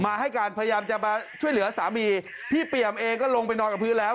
ให้การพยายามจะมาช่วยเหลือสามีพี่เปี่ยมเองก็ลงไปนอนกับพื้นแล้ว